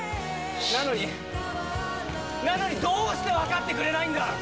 なのに、なのにどうして分かってくれないんだ！